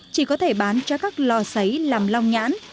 chỉ có thể bán cho các lò xấy làm long nhãn